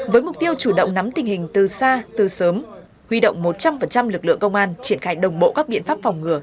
với mục tiêu chủ động nắm tình hình từ xa từ sớm huy động một trăm linh lực lượng công an triển khai đồng bộ các biện pháp phòng ngừa